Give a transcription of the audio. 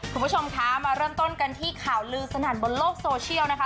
คุณผู้ชมคะมาเริ่มต้นกันที่ข่าวลือสนั่นบนโลกโซเชียลนะคะ